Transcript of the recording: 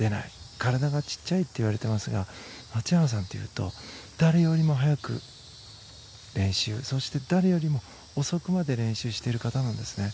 体が小さいといわれていますが松山さんというと誰よりも早く練習そして、誰よりも遅くまで練習している方なんですね。